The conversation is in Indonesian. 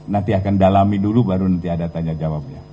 nanti akan dalami dulu baru nanti ada tanya jawabnya